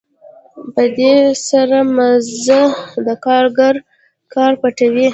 په دې سره مزد د کارګر کار پټوي